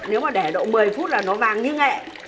nếu mà để độ một mươi phút là nó vàng như nghệ